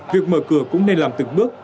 việc mở cửa cũng nên làm từng bước